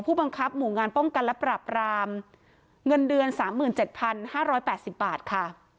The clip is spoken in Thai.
บังคับหมู่งานป้องกันและปรับรามเงินเดือน๓๗๕๘๐บาทค่ะ